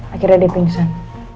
akhirnya dia pingsan